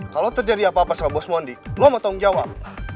kalau terjadi apa apa sama bos mondi lo mau tanggung jawab